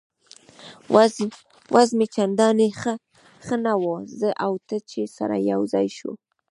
وضع مې چندانې ښه نه وه، زه او ته چې سره یو ځای شوو.